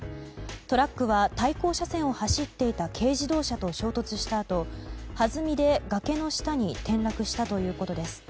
トラックは対向車線を走っていた軽自動車と衝突したあとはずみで崖の下に転落したということです。